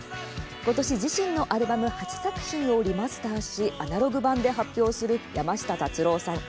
今年、自身のアルバム８作品をリマスターしアナログ盤で発表する山下達郎さん。